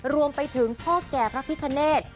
รวมไปถึงพ่อแก่พระพิคเนธ